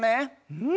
うん！